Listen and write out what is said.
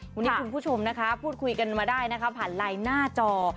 วันนี้คุณผู้ชมนะคะพูดคุยกันมาได้นะคะผ่านไลน์หน้าจอ